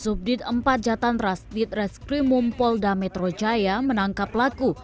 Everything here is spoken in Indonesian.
subdit empat jatan rasid reskrim mumpolda metro jaya menangkap pelaku